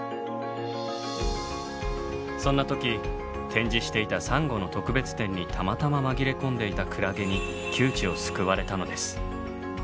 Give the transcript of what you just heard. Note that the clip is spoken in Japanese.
そんな時展示していたサンゴの特別展にたまたま紛れ込んでいたクラゲに窮地を救われたのです。